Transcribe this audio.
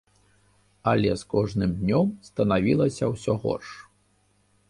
Але з кожным днём станавілася ўсё горш.